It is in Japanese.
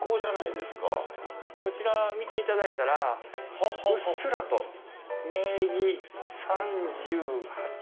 こちら、見ていただいたら、うっすらと、明治３８年？